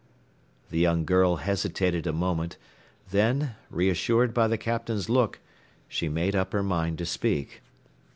The young girl hesitated a moment, then, reassured by the Captain's look, she made up her mind to speak.